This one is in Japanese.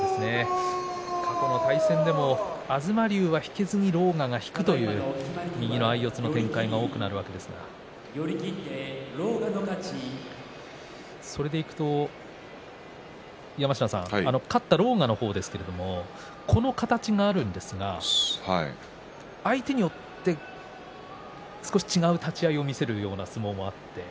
過去の対戦でも東龍が引けずに狼雅が引くという右の相四つの展開が多くなるわけですがそれでいくと勝った狼雅の方ですけれどこの形があるんですが相手によって少し違う立ち合いを見せるような相撲もあって。